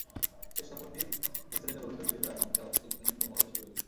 সেই সফরটিও ভেস্তে যেতে বসেছিল সিরিজের আগমুহূর্তে আবার পাকিস্তানে বোমাবাজি শুরু হলে।